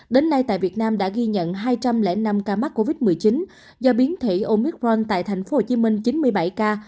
đến nay tại việt nam đã ghi nhận hai trăm linh năm ca mắc covid một mươi chín do biến thể omicron tại tp hcm chín mươi bảy ca